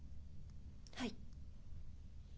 はい。